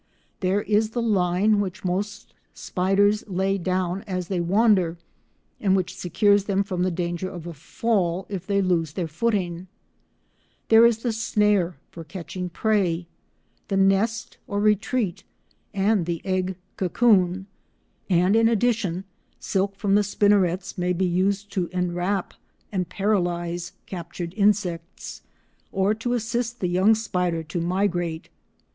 There is the line which most spiders lay down as they wander, and which secures them from the danger of a fall if they lose their footing; there is the snare for catching prey, the nest or retreat, and the egg cocoon, and in addition, silk from the spinnerets may be used to enwrap and paralyse captured insects, or to assist the young spider to migrate.